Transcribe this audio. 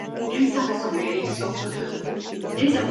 Ganadora del premio ariel a la mejor película.